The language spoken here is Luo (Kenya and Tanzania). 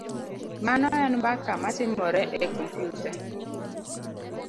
Mano en mbaka matimore e kompyuta.